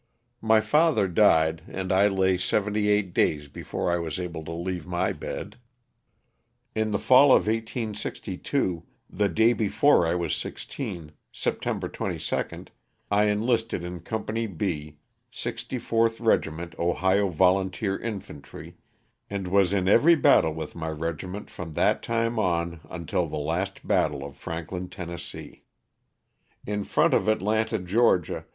My father died and I lay seventy eight days before I was able to leave my bed. In the fall of 1862, the day before I was sixteen, September 22, I enlisted in Company B, 64th Regi ment Ohio Volunteer Infantry, and was in every battle with my regiment from that time on until the last battle of Franklin, Tenn. In front of Atlanta, Ga.